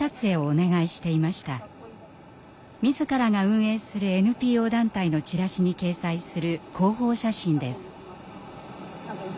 自らが運営するＮＰＯ団体のチラシに掲載する広報写真です。